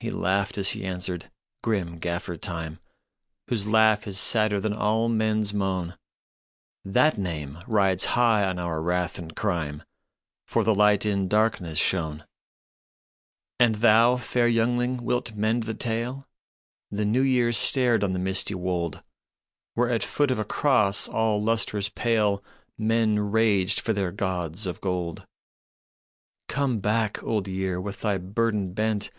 " He laughed as he answered, grim Gaffer Time, Whose laugh is sadder than all men s moan. " That name rides high on our wrath and crime, For the Light in darkness shone. " And thou, fair youngling, wilt mend the tale? " The New Year stared on the misty wold, Where at foot of a cross all lustrous pale Men raged for their gods of gold. " Come back, Old Year, with thy burden bent.